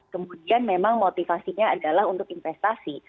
kemudian memang motivasinya adalah untuk investasi